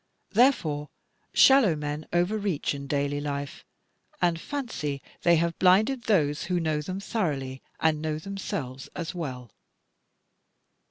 Therefore shallow men overreach in daily life, and fancy they have blinded those who know them thoroughly, and know themselves as well.